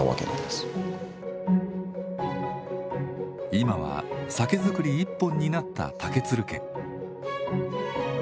今は酒づくり一本になった竹鶴家。